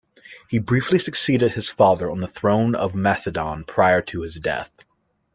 He briefly succeeded his father on the throne of Macedon prior to his death.